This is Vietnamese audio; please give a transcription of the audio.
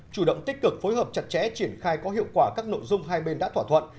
chủ động tích cực phối hợp chặt chẽ triển khai có hiệu quả các nội dung hai bên đã thỏa thuận